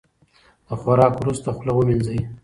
د خوراک وروسته خوله ومینځئ.